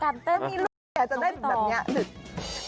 แต่ต้องมีลูกจะได้แบบนี้